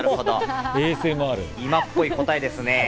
今っぽい答えですね。